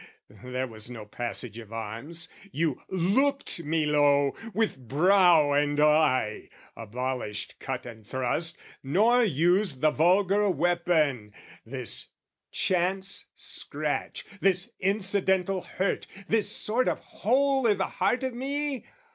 There was no passage of arms, you looked me low, With brow and eye abolished cut and thrust Nor used the vulgar weapon! This chance scratch, This incidental hurt, this sort of hole I' the heart of me?